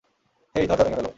হেই, দরজা ভেঙে ফেলো!